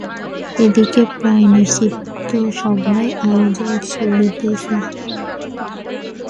এ দিকে প্রায়শ্চিত্তসভার আয়োজন চলিতেছে।